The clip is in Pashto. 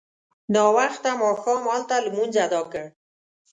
ناوخته ماښام هلته لمونځ اداء کړ.